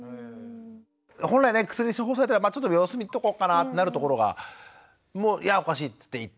本来ね薬処方されたらまあちょっと様子見とこうかなってなるところがもういやおかしいって行った。